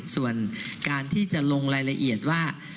ส่วนการที่จะลงรายละเอียดว่า